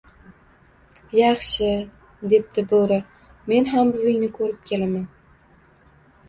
— Yaxshi, — debdi Boʻri, — men ham buvingni koʻrib kelaman